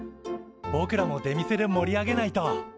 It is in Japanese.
ぼくらも出店で盛り上げないと。